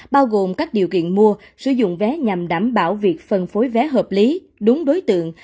bao gồm các điều kiện mua sử dụng vé nhằm đảm bảo việc phân phối vé hợp lý đúng đối tượng